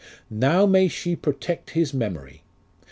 Now may she protect his memory